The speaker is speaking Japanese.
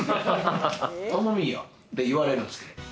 頼みぃやって言われるんです。